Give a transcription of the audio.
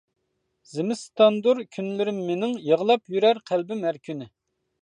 زىمىستاندۇر كۈنلىرىم مېنىڭ، يىغلاپ يۈرەر قەلبىم ھەر كۈنى.